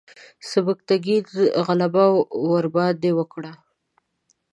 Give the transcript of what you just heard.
سبکتګین غلبه ورباندې وکړه.